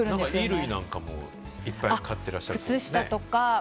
衣類なんかもいっぱい買ってらっしゃるんですって？